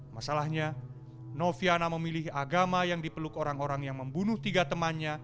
masalahnya noviana memilih agama yang dipeluk orang orang yang membunuh tiga temannya